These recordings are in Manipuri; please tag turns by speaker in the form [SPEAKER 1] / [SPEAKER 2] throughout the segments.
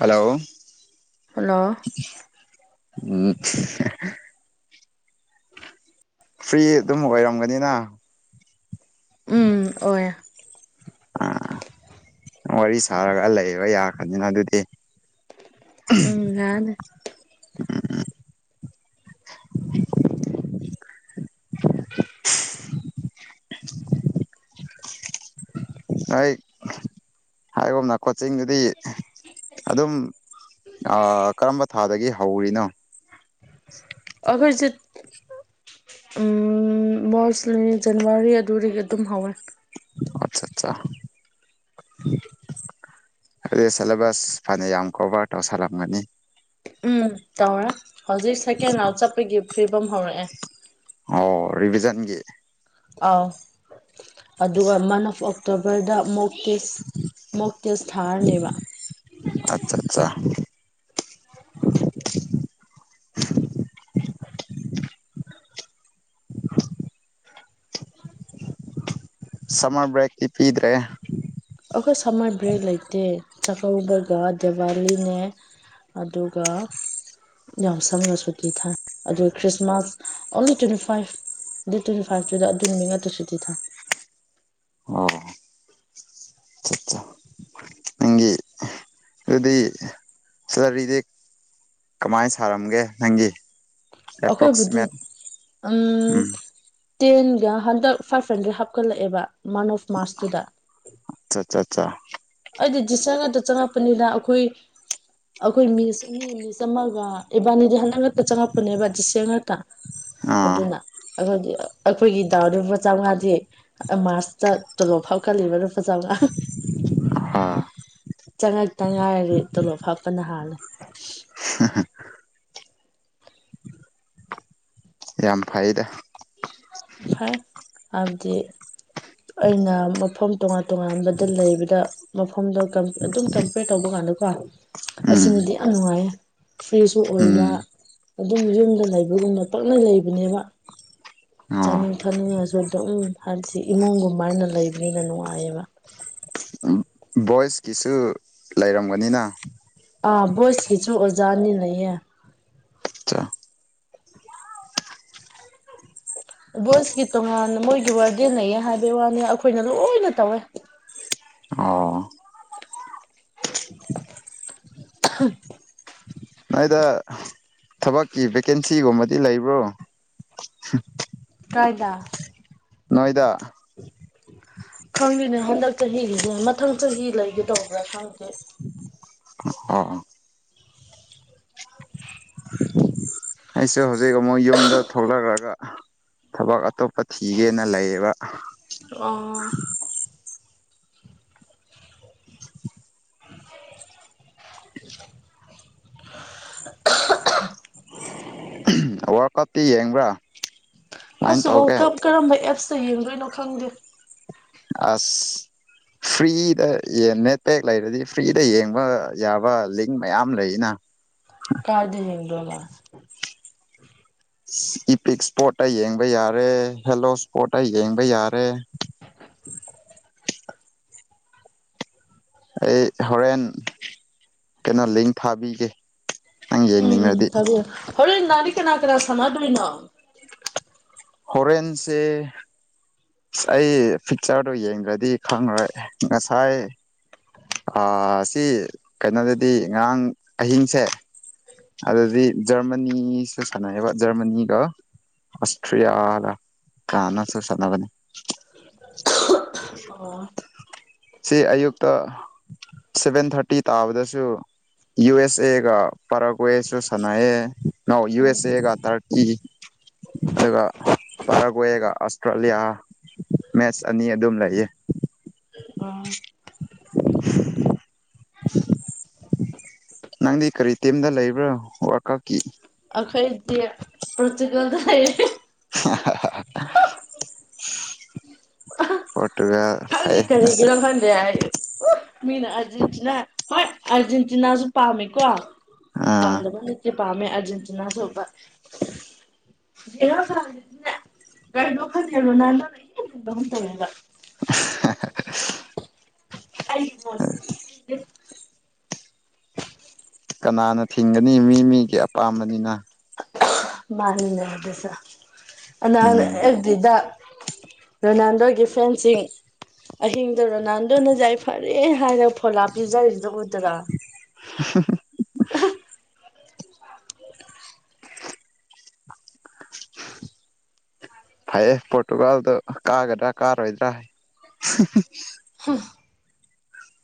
[SPEAKER 1] ꯍꯜꯂꯣ
[SPEAKER 2] ꯍꯜꯂꯣ
[SPEAKER 1] [unintelligible] ꯐ꯭ꯔꯤ ꯑꯗꯨꯝ ꯑꯣꯏꯔꯝꯒꯅꯤꯅ
[SPEAKER 2] ꯎꯝ ꯑꯣꯏꯌꯦ
[SPEAKER 1] ꯎꯝ ꯋꯥꯔꯤ ꯁꯥꯔꯒ ꯂꯩꯕ ꯌꯥꯈ꯭ꯔꯅꯤꯅ ꯑꯗꯨꯗꯤ
[SPEAKER 2] ꯎꯝ ꯌꯥꯅꯤ
[SPEAKER 1] ꯍꯣꯏ ꯍꯥꯏꯒꯨꯝꯅ ꯀꯣꯆꯤꯡꯗꯨꯗꯤ ꯑꯗꯨꯝ ꯑꯥ ꯀꯔꯝꯕ ꯊꯥꯗꯒꯤ ꯍꯧꯔꯤꯅꯣ
[SPEAKER 2] ꯑꯈꯣꯏꯖꯤꯠ ꯎꯝ ꯃꯣꯔꯁꯂꯤ ꯖꯅꯨꯋꯥꯔꯤ ꯑꯗꯨꯗꯒꯤ ꯑꯗꯨꯝ ꯍꯧꯔꯦ
[SPEAKER 1] ꯑꯠꯆꯥꯆꯥ ꯑꯗꯨꯗꯤ ꯁꯦꯂꯦꯕꯁ ꯐꯅꯌꯥꯝ ꯀꯣꯚꯔ ꯇꯧꯁꯜꯂꯝꯒꯅꯤ
[SPEAKER 2] ꯎꯝ ꯇꯧꯔꯦ ꯍꯧꯖꯤꯛ ꯁꯦꯀꯦꯟ ꯔꯥꯎꯟ ꯆꯠꯄꯒꯤ ꯐꯤꯕꯝ ꯍꯧꯔꯛꯑꯦ
[SPEAKER 1] ꯑꯣ ꯔꯤꯚꯤꯖꯟꯒꯤ
[SPEAKER 2] ꯑꯧ ꯑꯗꯨꯒ ꯃꯥꯅ ꯑꯣꯐ ꯑꯣꯛꯇꯣꯕꯔꯗ ꯑꯃꯨꯛ ꯇꯦꯁ ꯃꯣꯛ ꯇꯦꯁ ꯊꯥꯔꯅꯦꯕ
[SPEAKER 1] ꯑꯠꯆꯥ ꯑꯠꯆꯥ ꯁꯝꯃꯔ ꯕ꯭ꯔꯦꯛꯇꯤ ꯄꯤꯗ꯭ꯔꯦ
[SPEAKER 2] ꯑꯩꯈꯣꯏ ꯁꯝꯃꯔ ꯕ꯭ꯔꯦꯛ ꯂꯩꯇꯦ ꯆꯥꯛꯀꯧꯕꯒ ꯗꯦꯋꯥꯂꯤꯅꯦ ꯑꯗꯨꯒ ꯌꯥꯝ ꯁꯝꯅ ꯁꯨꯇꯤ ꯊꯥꯏ ꯑꯗꯨꯒ Christmas only twenty five date ꯇ꯭ꯋꯦꯟꯇꯤꯐꯥꯏꯇꯨꯗ ꯑꯗꯨ ꯅꯨꯃꯤ ꯅꯥꯛꯇ ꯁꯨꯇꯤ ꯊꯥꯏ
[SPEAKER 1] ꯑꯣ ꯑꯠꯆꯥ ꯑꯠꯆꯥ ꯅꯪꯒꯤ ꯑꯗꯨꯗꯤ ꯁꯂꯔꯤꯗꯤ ꯀꯃꯥꯏꯅ ꯁꯥꯔꯝꯒꯦ ꯅꯪꯒꯤ
[SPEAKER 2] ꯑꯩꯈꯣꯏꯕꯨꯗꯤ
[SPEAKER 1] ꯑꯦꯄ꯭ꯔꯣꯛꯁꯤꯃꯦꯠ
[SPEAKER 2] ꯎꯝ ꯇꯦꯟꯒ ꯍꯟꯗ ꯐꯥꯔꯁ ꯁꯦꯂꯔꯤ ꯍꯥꯞꯀꯠꯂꯛꯑꯦꯕ ꯃꯥꯅꯁ ꯃꯥꯔꯁꯇꯨꯗ
[SPEAKER 1] ꯑꯆꯥ ꯆꯥ ꯆꯥ
[SPEAKER 2] ꯑꯩꯗꯤ ꯗꯤꯁꯔ ꯉꯛꯗ ꯆꯪꯉꯛꯄꯅꯤꯗ ꯑꯩꯈꯣꯏ ꯑꯩꯈꯣꯏ ꯃꯤꯁ ꯑꯅꯤ ꯃꯤꯁ ꯑꯃꯒ ꯏꯕꯥꯅꯤꯗꯤ ꯍꯟꯗꯛꯉꯛꯇ ꯆꯪꯉꯛꯄꯅꯦꯕ ꯗꯤꯁ ꯏꯌꯔ ꯉꯛꯇ
[SPEAKER 1] ꯑꯥ
[SPEAKER 2] ꯑꯗꯨꯅ ꯑꯩꯈꯣꯏꯗꯤ ꯑꯩꯈꯣꯏꯒꯤ ꯗꯥꯎꯗꯄꯥ ꯆꯪꯉꯥꯗꯤ ꯃꯥꯔꯁꯇ ꯇꯣꯂꯣꯞ ꯐꯥꯎ [unintelligible]
[SPEAKER 1] ꯑꯥ
[SPEAKER 2] ꯆꯪꯉꯛꯇ ꯉꯥꯏꯔꯔ ꯇꯣꯂꯣꯞ ꯍꯥꯞꯄꯅ ꯍꯥꯥꯜꯂꯦ
[SPEAKER 1] ꯌꯥꯝ ꯐꯩꯗ
[SPEAKER 2] ꯐꯥꯏ ꯍꯥꯏꯕꯗꯤ ꯑꯩꯅ ꯃꯐꯝ ꯇꯣꯉꯥꯟ ꯇꯣꯉꯥꯟꯕꯗ ꯂꯩꯕꯗ ꯃꯐꯝꯗ ꯑꯗꯨꯝ ꯀꯟꯄꯦꯔ ꯇꯧꯕ ꯀꯥꯟꯗꯀꯣ
[SPEAKER 1] ꯎꯝ
[SPEAKER 2] ꯑꯁꯤꯅꯗꯤ ꯌꯥꯝ ꯅꯨꯡꯉꯥꯏꯌꯦ ꯐ꯭ꯔꯤꯁꯨ
[SPEAKER 1] ꯎꯝ
[SPEAKER 2] ꯑꯣꯏꯕ ꯑꯗꯨꯝ ꯌꯨꯝꯗ ꯂꯩꯕꯒꯨꯝꯅ ꯄꯛꯂꯩ ꯂꯩꯕꯅꯦꯕ
[SPEAKER 1] ꯑꯣ
[SPEAKER 2] ꯆꯥꯅꯤꯡ ꯊꯛꯅꯤꯡꯉꯁꯨ ꯑꯗꯨꯝ ꯍꯥꯏꯕꯗꯤ ꯏꯃꯨꯡꯒꯨꯝꯃꯥꯏꯅ ꯂꯩꯕꯅꯤꯅ ꯅꯨꯡꯉꯥꯏꯌꯦꯕ
[SPEAKER 1] ꯕꯣꯏꯁꯀꯤꯁꯨ ꯂꯩꯔꯝꯒꯅꯤꯅ
[SPEAKER 2] ꯑꯥ ꯕꯣꯏꯁꯀꯤꯁꯨ ꯑꯣꯖꯥꯅꯤ ꯂꯩꯌꯦ
[SPEAKER 1] ꯑꯆꯥ
[SPEAKER 2] ꯕꯣꯏꯁꯀꯤ ꯇꯣꯉꯥꯟ ꯃꯣꯏꯒꯤ ꯋꯥꯔꯗꯦꯟ ꯂꯩꯌꯦ ꯍꯥꯏꯕꯩ ꯋꯥꯅꯤ ꯑꯩꯈꯣꯏꯅ ꯂꯣꯏꯅ ꯇꯧꯋꯦ
[SPEAKER 1] ꯑꯣ
[SPEAKER 2] [unintelligible]
[SPEAKER 1] ꯅꯣꯏꯗ ꯊꯕꯛꯀꯤ ꯚꯦꯀꯦꯟꯁꯤꯒꯨꯝꯕꯗꯤ ꯂꯩꯕ꯭ꯔꯣ
[SPEAKER 2] ꯀꯥꯏꯗꯥ
[SPEAKER 1] ꯅꯣꯏꯗ
[SPEAKER 2] ꯈꯪꯉꯦꯅꯦ ꯍꯟꯗꯛ ꯆꯍꯤꯒꯤꯗꯤ ꯃꯊꯪ ꯆꯍꯤ ꯂꯩꯒꯗꯧꯕ꯭ꯔꯥ ꯈꯪꯗꯦ
[SPEAKER 1] ꯑꯣ ꯑꯣ ꯑꯩꯁꯨ ꯍꯧꯖꯤꯛ ꯑꯃꯨꯛ ꯌꯨꯝꯗ ꯊꯣꯛꯂꯛꯔꯒ ꯊꯕꯛ ꯑꯇꯣꯞꯄ ꯊꯤꯒꯦꯅ ꯂꯩꯌꯦꯕ
[SPEAKER 2] ꯑꯣ
[SPEAKER 1] [inaudible] [unintelligible] ꯋꯥꯔꯀꯞꯇꯤ ꯌꯦꯡꯕ꯭ꯔꯥ ꯀꯃꯥꯏꯅ
[SPEAKER 2] ꯑꯁ ꯋꯥꯔꯜ
[SPEAKER 1] ꯇꯧꯒꯦ
[SPEAKER 2] ꯀꯞ ꯀꯔꯝꯕ ꯑꯦꯞꯁꯇ ꯌꯦꯡꯗꯣꯏꯅꯣ ꯈꯪꯗꯦ
[SPEAKER 1] ꯑꯁ ꯐ꯭ꯔꯤꯗ ꯅꯦꯠꯄꯦꯛ ꯂꯩꯔꯗꯤ ꯐ꯭ꯔꯤꯗ ꯌꯦꯡꯕ ꯌꯥꯕ ꯂꯤꯡ ꯃꯌꯥꯝ ꯂꯩꯌꯦꯅ
[SPEAKER 2] ꯀꯥꯏꯗ ꯌꯦꯡꯗꯣꯕ
[SPEAKER 1] ꯏꯄꯤꯛ ꯏꯁꯄꯣꯠꯇ ꯌꯦꯡꯕ ꯌꯥꯔꯦ ꯍꯦꯜꯂꯣ ꯏꯁꯄꯣꯠꯇ ꯌꯦꯡꯕ ꯌꯥꯔꯦ
[SPEAKER 2] [unintelligible]
[SPEAKER 1] ꯑꯩ ꯍꯣꯔꯦꯟ ꯀꯩꯅꯣ ꯂꯤꯡ ꯊꯥꯕꯤꯒꯦ꯫ ꯅꯪ
[SPEAKER 2] ꯎꯝ
[SPEAKER 1] ꯌꯦꯡꯅꯤꯡꯉꯗꯤ
[SPEAKER 2] ꯊꯥꯕꯤꯑꫭ ꯍꯣꯔꯦꯟ ꯅꯨꯡꯗꯥꯡꯗꯤ ꯀꯅꯥ ꯀꯅꯥ ꯁꯥꯟꯅꯗꯣꯏꯅꯣ꯫
[SPEAKER 1] ꯍꯣꯔꯦꯟꯁꯦ ꯑꯁ ꯑꯩ ꯐꯤꯛꯆꯔꯗꯨꯣ ꯌꯦꯡꯗ꯭ꯔꯗꯤ ꯈꯪꯔꯣꯏ ꯉꯁꯥꯏ ꯑꯥ ꯁꯤ ꯀꯩꯅꯣꯗꯗꯤ ꯉꯔꯥꯡ ꯑꯍꯤꯡꯁꯦ ꯑꯗꯗꯤ ꯖꯔꯃꯅꯤꯁꯨ ꯁꯥꯟꯅꯑꯦꯕ ꯖꯔꯃꯅꯤꯒ ꯑꯁꯇ꯭ꯔꯤꯌꯥꯒ ꯀꯅꯅꯁꯨ ꯁꯥꯅꯒꯅꯤ꯫
[SPEAKER 2] [unintelligible] ꯑꯣ꯫
[SPEAKER 1] ꯁꯤ ꯑꯌꯨꯛꯇ ꯁꯚꯦꯟ ꯊꯥꯔꯇꯤ ꯇꯥꯕꯗꯁꯨ ꯌꯨ ꯑꯦꯁ ꯑꯦꯒ ꯄꯔꯒ꯭ꯋꯦꯁꯨ ꯁꯥꯟꯅꯑꯦ ꯅ ꯌꯨ ꯑꯦꯁ ꯑꯦꯒ ꯊꯥꯔꯀꯤ ꯑꯗꯨꯒ ꯄꯔꯒ꯭ꯋꯦꯒ ꯑꯁꯇ꯭ꯔꯦꯂꯤꯌꯥ ꯃꯦꯠꯁ ꯑꯅꯤ ꯑꯗꯨꯝ ꯂꯩꯌꯦ꯫
[SPEAKER 2] ꯑꯣ
[SPEAKER 1] [unintelligible] ꯅꯪꯗꯤ ꯀꯔꯤ ꯇꯤꯝꯗ ꯂꯩꯕ꯭ꯔꯣ ꯋꯔꯀꯞꯀꯤ꯫
[SPEAKER 2] ꯑꯈꯣꯏꯗꯤ ꯄꯣꯔꯇꯨꯒꯜꯗ ꯂꯩꯔꯦ꯫
[SPEAKER 1] ꯄꯣꯇ꯭ꯨꯔꯒꯜ
[SPEAKER 2] ꯑꯩꯗꯤ ꯀꯔꯤꯒꯤꯔꫭ ꯈꯡꯗꯦ ꯍꯥꯏꯗꯤ꯫ ꯎ ꯃꯤꯅ ꯑꯥꯔꯖꯦꯟꯇꯤꯅꯥ ꯍꯣꯏ ꯑꯥꯔꯖꯦꯟꯇꯤꯅꯥꯁꯨ ꯄꯥꯝꯃꯦꯀꯣ꯫
[SPEAKER 1] ꯑꯥ
[SPEAKER 2] ꯄꯥꯟꯗꯕ ꯅꯠꯇꯦ ꯄꯥꯝꯃꯦ ꯑꯔꯖꯦꯟꯇꯤꯅꯥꯁꯨ ꯕꯠ [inaudible]
[SPEAKER 1] [unintelligible]
[SPEAKER 2] ꯑꯩꯒꯤ ꯐꯣꯟꯗ
[SPEAKER 1] [unintelligible] ꯀꯅꯥꯅ ꯊꯤꯡꯒꯅꯤ ꯃꯤ ꯃꯤꯒꯤ ꯑꯄꯥꯝꯕꯅꯤꯅ꯫
[SPEAKER 2] ꯃꯥꯅꯤꯅꯦ ꯑꯗꯨꯁꯨ ꯅꯍꯥꯟ
[SPEAKER 1] ꯎꯝ
[SPEAKER 2] ꯑꯦꯐ ꯕꯤꯗ ꯔꯣꯅꯥꯜꯗꯣꯒꯤ ꯐꯦꯟꯁꯤꯡ ꯑꯍꯤꯡꯗ ꯔꯣꯅꯥꯟꯗꯣꯅ ꯌꯥꯏ ꯐꯔꯦ ꯍꯥꯏꯔꯒ ꯐꯣꯂꯥ ꯄꯤꯖꯔꯤꯗꫭ ꯎꯗ꯭ꯔꫭ꯫
[SPEAKER 1] [unintelligible]
[SPEAKER 2] [unintelligible]
[SPEAKER 1] ꯐꯩꯌꯦ ꯄꯣꯔꯇꯨꯒꯥꯜꯗ ꯀꯥꯒꯗ꯭ꯔꯥ ꯀꯥꯔꯣꯏꯗ꯭ꯔꯥ꯫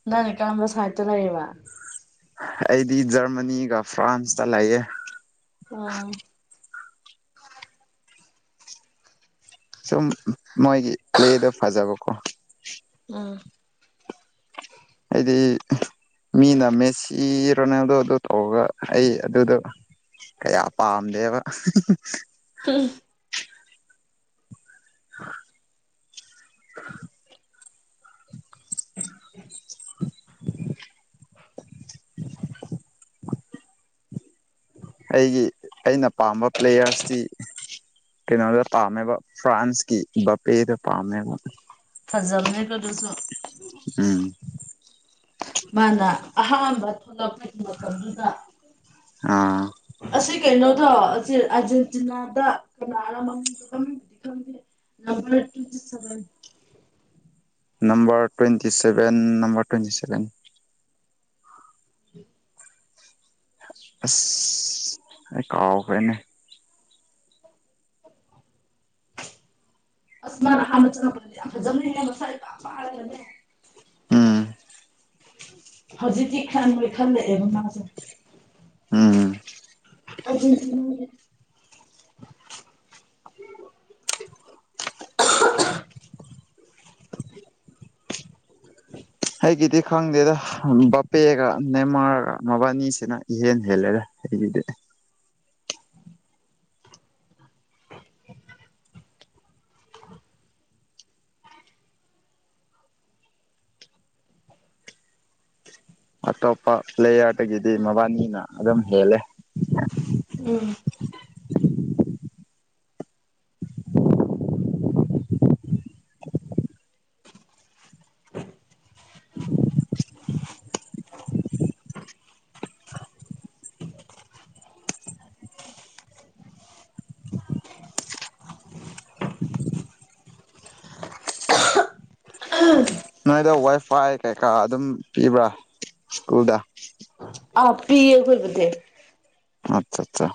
[SPEAKER 2] ꯅꯪ ꯀꯔꯝꯕ ꯁꯥꯏꯠꯇ ꯂꯩꯔꯤꯕ꯫
[SPEAKER 1] ꯑꯩꯗꯤ ꯖꯔꯃꯅꯤꯒ ꯐ꯭ꯔꯥꯟꯁꯇ ꯂꯩꯑꯦ꯫
[SPEAKER 2] [unintelligible]
[SPEAKER 1] ꯁꯨꯝ ꯃꯣꯏꯒꯤ ꯄ꯭ꯂꯦꯗꯣ ꯐꯖꯕꯀꯣ꯫
[SPEAKER 2] ꯎꯝ꯫
[SPEAKER 1] ꯑꯩꯗꯤ ꯃꯤꯅ ꯃꯦꯁꯤ ꯔꯣꯅꯥꯜꯗꯣ ꯗꫭ ꯇꯧꯔꯒ ꯑꯩ ꯑꯗꯨꯗꯣ ꯀꯌꯥ ꯄꯥꯝꯗꯦꯕ꯫
[SPEAKER 2] [unintelligible]
[SPEAKER 1] [unintelligible] ꯑꯩꯒꯤ ꯑꯩꯅ ꯄꯥꯝꯕ ꯄ꯭ꯂꯦꯌꯔꯁꯇꯤ ꯀꯩꯅꯣꯗ ꯄꯥꯝꯃꯦꯕ ꯐ꯭ꯔꯥꯟꯁꯀꯤ ꯕꯥꯞꯄꯦꯗꫭ ꯄꯥꯝꯃꯦꯕ꯫
[SPEAKER 2] ꯐꯖꯕꯅꯦꯀꫭ ꯗꯨꯁꯨ꯫
[SPEAKER 1] ꯎꯝ꯫
[SPEAKER 2] ꯃꯥꯅ ꯑꯍꯥꯟꯕ ꯊꯣꯛꯂꯛꯄꯒꯤ ꯃꯇꯝꯗꯨꯗ
[SPEAKER 1] ꯑꯥ
[SPEAKER 2] ꯑꯁꯤ ꯀꯩꯅꯣꯗꯣ ꯑꯁꯤ ꯑꯥꯔꯖꯦꯟꯇꯤꯅꯥꯗ ꯀꯅꯥꯅꯣ ꯃꯃꯥꯡꯗꯣ ꯈꯪꯗꯦ [unintelligible]
[SPEAKER 1] number twenty seven number twenty seven
[SPEAKER 2] [unintelligible]
[SPEAKER 1] ꯑꯁ ꯑꯩ ꯀꯥꯎꯈ꯭ꯔꯦꯍꯦ
[SPEAKER 2] ꯑꯁ ꯃꯥꯥꯟꯅ ꯑꯍꯥꯟꯕ ꯆꯪꯉꯛꯄꯗꯗꯤ ꯌꯥꯝ ꯐꯖꯕꯅꯦꯍꯦ ꯃꯁꯥ ꯏꯄꯥꯄꯔꯒ
[SPEAKER 1] ꯎꯝ
[SPEAKER 2] ꯍꯧꯖꯤꯛꯛꯇꯀꯤ ꯈꯥꯅꯣꯏ ꯈꯜꯂꯛꯑꯦꯕ ꯃꯥꯁꯦ
[SPEAKER 1] ꯎꯝ
[SPEAKER 2] ꯑꯔꯖꯦꯟꯇꯤꯅꯥꯒ [inaudible]
[SPEAKER 1] ꯑꯩꯒꯤꯗꯤ ꯈꯪꯗꯦꯗ ꯕꯥꯄꯦꯒ ꯅꯦꯃꯥꯔꯒ ꯃꯕꯥꯅꯤꯁꯤꯅ ꯏꯍꯦꯟ ꯍꯦꯜꯂꯦꯗ ꯑꯩꯒꯤꯗꯤ ꯑꯇꯣꯞꯄ ꯄ꯭ꯂꯦꯌꯥꯔꯗꯒꯤꯗꯤ ꯃꯕꯥꯅꯤꯅ ꯑꯗꯨꯝ ꯍꯦꯜꯂꯦ
[SPEAKER 2] ꯎꯝ [unintelligible]
[SPEAKER 1] ꯅꯣꯏꯗ ꯋꯥꯏꯐꯥꯏ ꯀꯩꯀꯥ ꯑꯗꯨꯝ ꯄꯤꯕ꯭ꯔꯥ ꯁ꯭ꯀꯨꯜꯗ
[SPEAKER 2] ꯑꯥ ꯄꯤꯌꯦ ꯑꯩꯈꯣꯏꯕꯨꯗꯤ
[SPEAKER 1] ꯑꯠꯆꯥ ꯆꯥ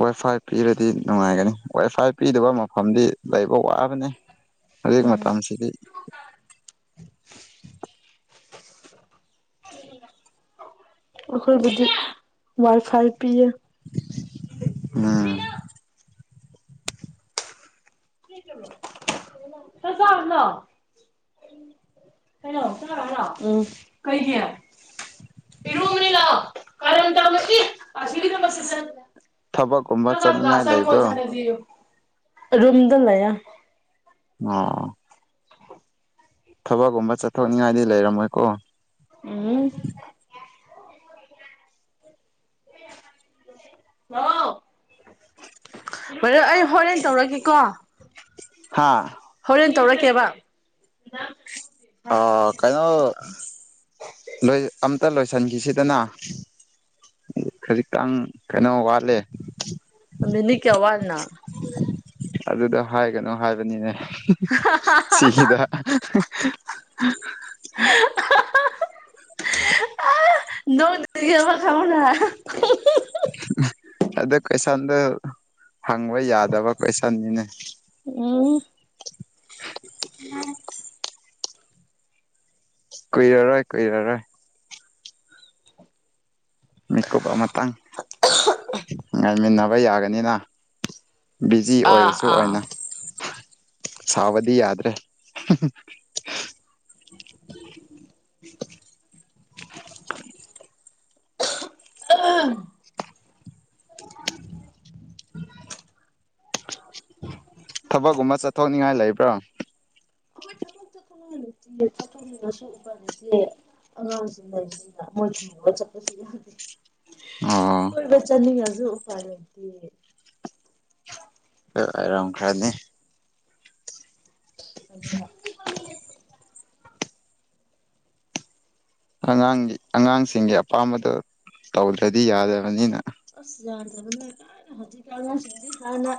[SPEAKER 1] ꯋꯥꯏ ꯐꯥꯏ ꯄꯤꯔꯗꯤ ꯅꯨꯡꯉꯥꯏꯒꯅꯤ ꯋꯥꯏ ꯐꯥꯏ ꯄꯤꯗꯕ ꯃꯐꯝꯗꯤ ꯂꯩꯕ ꯋꯥꯕꯅꯤ ꯍꯧꯖꯤꯛ
[SPEAKER 2] ꯎꯝ
[SPEAKER 1] ꯃꯇꯝꯁꯤꯗꯤ
[SPEAKER 2] ꯑꯣꯈꯣꯏꯗꯤ ꯋꯥꯏ ꯐꯥꯏ ꯄꯤꯌꯦ
[SPEAKER 1] ꯑꯝ
[SPEAKER 2] [inaudible] [unintelligible] ꯀꯩꯅꯣ ꯆꯥꯔꯣꯏ ꯍꯥꯏꯔꯣ ꯎꯝ ꯀꯩꯒꯤ ꯄꯤꯔꯨꯛꯅꯤ ꯂꯥꯎ ꯀꯔꯟ ꯇꯧꯒꯅꯨ [unintelligible]
[SPEAKER 1] ꯊꯕꯛꯀꯨꯝꯕ ꯆꯠꯅꯤꯡꯉꯥꯏ ꯂꯩꯕ꯭ꯔꯣ
[SPEAKER 2] ꯔꯨꯝꯗ ꯂꯩ
[SPEAKER 1] ꯑꯣ ꯊꯕꯛꯀꯨꯝꯕ ꯆꯠꯊꯣꯛꯅꯤꯡꯉꯥꯏꯗꯤ ꯂꯩꯔꯝꯃꯣꯏꯀꯣ
[SPEAKER 2] ꯎꯝ [inaudible] ꯕꯔꯗꯔ ꯑꯩ ꯍꯣꯔꯦꯟ ꯇꯧꯔꯒꯦꯀꯣ
[SPEAKER 1] ꯍꯥꯥ
[SPEAKER 2] ꯍꯣꯔꯦꯟ ꯇꯧꯔꯛꯀꯦꯕ
[SPEAKER 1] ꯑ ꯀꯩꯅꯣ ꯅꯣꯏ ꯑꯝꯇ ꯂꯣꯏꯁꯤꯟꯈꯤꯁꯤꯗꯅ ꯈꯖꯤꯛꯇꯪ ꯀꯩꯅꯣ ꯋꯥꯠꯂꯦ
[SPEAKER 2] ꯃꯤꯅꯤꯠ ꯀꯌꯥ ꯋꯥꯠꯂꯤꯅꯣ
[SPEAKER 1] ꯑꯗꯨꯗ ꯍꯥꯏꯒꯅꯨ ꯍꯥꯏꯕꯅꯤꯅꯦ ꯁꯤꯒꯤꯗ
[SPEAKER 2] [unintelligible]
[SPEAKER 1] [inaudible]
[SPEAKER 2] [unintelligible]
[SPEAKER 1] ꯑꯗꯨ ꯀꯣꯏꯁꯥꯟꯗꯣ ꯍꯪꯕ ꯌꯥꯗꯕ ꯀꯣꯏꯁꯥꯟꯅꯤꯅꯦ
[SPEAKER 2] ꯎꯝ
[SPEAKER 1] ꯀꯨꯏꯔꯔꯣꯏ ꯀꯨꯏꯔꯔꯣꯏ ꯒ꯭ꯔꯨꯞ ꯑꯃꯇꯪ ꯉꯥꯏꯃꯤꯟꯅꯕ ꯌꯥꯒꯅꯤꯅ ꯕꯤꯖꯤ
[SPEAKER 2] ꯑꯥ
[SPEAKER 1] ꯑꯣꯏꯔꯁꯨ
[SPEAKER 2] ꯑꯥ
[SPEAKER 1] ꯑꯣꯏꯅ
[SPEAKER 2] ꯑꯩꯈꯣꯏ
[SPEAKER 1] ꯁꯥꯎꯕꯗꯤ ꯌꯥꯗ꯭ꯔꯦ
[SPEAKER 2] [unintelligible] [unintelligible]
[SPEAKER 1] ꯊꯕꯛꯀꯨꯝꯕ ꯆꯠꯊꯣꯛꯅꯤꯡꯉꯥꯏ ꯂꯩꯕ꯭ꯔꯣ
[SPEAKER 2] ꯑꯩꯈꯣꯏ ꯊꯕꯛ ꯆꯠꯊꯣꯛꯅꯤꯡꯉꯥꯏ ꯂꯩꯇꯤꯌꯦ ꯆꯠꯇꯔꯣ ꯄꯨꯅꯤꯡꯉꯁꯨ ꯎꯄꯥꯏ ꯂꯩꯇꯤꯌꯦ ꯑꯉꯥꯡꯁꯤꯡ ꯂꯩꯕꯅꯤꯅ ꯃꯣꯏ ꯊꯝꯃꯒ ꯆꯠꯄꯁꯨ ꯌꯥꯗꯦ
[SPEAKER 1] ꯑꯣ
[SPEAKER 2] ꯀꯣꯏꯕ ꯆꯠꯅꯤꯡꯉꯁꯨ ꯎꯄꯥꯏ ꯂꯩꯇꯦ
[SPEAKER 1] ꯑꯣꯏꯔꯥꯝꯈꯔꯥ꯭ꯅꯤ
[SPEAKER 2] ꯑꯗꯨꯅ꯫
[SPEAKER 1] ꯑꯉꯥꯡꯒꯤ ꯑꯉꯥꯡꯁꯤꯡꯒꯤ ꯑꯄꯥꯝꯕꯗꯣ ꯇꯧꯗ꯭ꯔꯗꯤ ꯌꯥꯗꯕꯅꯤꯅ
[SPEAKER 2] ꯑꯁ ꯌꯥꯗꯕꯅꯤ ꯀꯥꯏꯅ ꯍꯧꯖꯤꯛꯀꯥꯟ ꯑꯉꯥꯡꯁꯤꯡꯗꯤ ꯍꯥꯟꯅ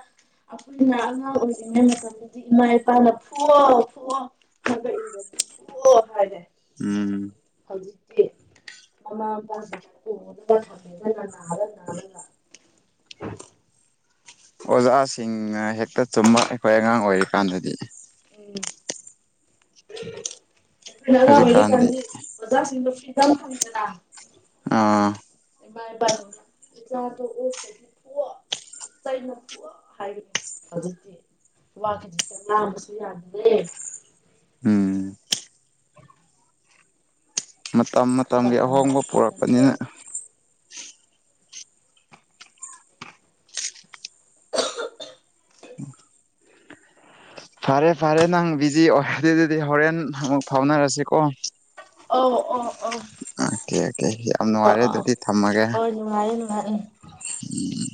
[SPEAKER 2] ꯑꯩꯈꯣꯏꯅ ꯑꯉꯥꯡ ꯑꯣꯏꯔꯤꯉꯩ ꯃꯇꯝ ꯍꯧꯖꯤꯛ ꯏꯃꯥ ꯏꯄꯥꯅ ꯐꯨꯋꯣ ꯐꯨꯋꯣ ꯍꯥꯏꯕ ꯏꯟꯗ꯭ꯔꯗꯤ ꯐꯨꯍꯣ ꯍꯥꯏꯔꯦ
[SPEAKER 1] ꯎꯝ
[SPEAKER 2] ꯍꯧꯖꯤꯛꯇꯤ ꯃꯃꯥ ꯃꯄꯥꯁꯤꯡ [unintelligible] ꯅꯥꯔ ꯅꯥꯔꯒ [unintelligible]
[SPEAKER 1] ꯑꯣꯖꯥꯁꯤꯡꯅ ꯍꯦꯛꯇ ꯆꯨꯝꯕ ꯑꯩꯈꯣꯏ ꯑꯉꯥꯡ ꯑꯣꯏꯔꯤꯀꯥꯟꯗꯗꯤ
[SPEAKER 2] ꯎꯝ ꯑꯩꯈꯣꯏꯅ ꯑꯉꯥꯡ ꯑꯣꯏꯔꯤ
[SPEAKER 1] ꯍꯧꯖꯤꯛꯀꯥꯟꯗꯤ
[SPEAKER 2] ꯀꯥꯟꯗꯤ ꯑꯣꯖꯥꯁꯤꯡꯗꯣ ꯐ꯭ꯔꯤꯗꯝ ꯐꯪꯉꯤꯗꯅ
[SPEAKER 1] ꯑꯥ
[SPEAKER 2] ꯏꯃꯥ ꯏꯄꯥꯁꯨ ꯏꯆꯥꯗꯣ ꯑꯣꯛꯇ꯭ꯔꯗꯤ ꯐꯨꯋꯣ ꯆꯩꯅ ꯐꯨꯋꯣ ꯍꯥꯏꯒꯅꯤ ꯍꯧꯖꯤꯛꯇꯤ ꯋꯥ ꯈꯖꯤꯛꯇꯪ ꯉꯥꯡꯕꯁꯨ ꯌꯥꯗꯦ
[SPEAKER 1] ꯎꯝ ꯃꯇꯝ ꯃꯇꯝꯒꯤ
[SPEAKER 2] ꯃꯇꯝꯗꯣ
[SPEAKER 1] ꯑꯍꯣꯡꯕ
[SPEAKER 2] ꯈꯦꯠꯅꯔꯦ
[SPEAKER 1] ꯄꯨꯔꯛꯄꯅꯤꯅ ꯐꯔꯦ ꯐꯔꯦ ꯅꯪ ꯕꯤꯖꯤ ꯑꯣꯏꯔꯗꯤ ꯑꯗꯨꯗꯤ ꯍꯣꯔꯦꯟ ꯑꯃꯨꯛ ꯐꯥꯎꯅꯔꯁꯤꯀꯣ
[SPEAKER 2] ꯑꯣ ꯑꯣ ꯑꯣ
[SPEAKER 1] ꯑꯣꯀꯦ ꯑꯣꯀꯦ ꯌꯥꯝ ꯅꯨꯡꯉꯥꯏꯔꯦ ꯑꯗꯨꯗꯤ ꯊꯝꯃꯒꯦ
[SPEAKER 2] ꯍꯣꯏ ꯅꯨꯡꯉꯥꯏꯔꯦ ꯅꯨꯡꯉꯥꯏꯔꯦ
[SPEAKER 1] ꯎꯝ